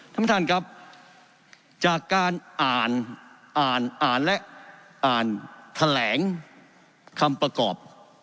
ท่านประธานครับจากการอ่านอ่านอ่านและอ่านแถลงคำประกอบ